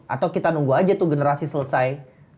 atau kita nunggu aja tuh generasi selesai